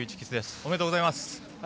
ありがとうございます。